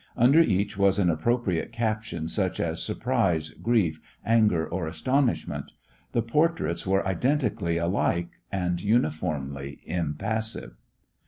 Under each was an appropriate caption, such as Surprise, Grief, Anger, or Astonishment. The portraits were identically alike, and uniformly impassive.